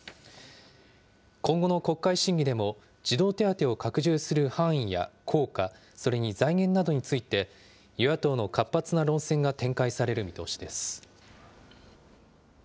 今後の国会審議でも、児童手当を拡充する範囲や効果、それに財源などについて、与野党の活発な論戦が展開される見通しです。